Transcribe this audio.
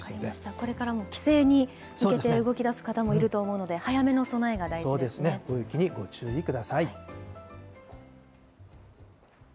これからも帰省に向けて動きだす方もいると思うので、早めの大雪にご注意ください。